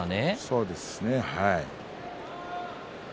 そうですね。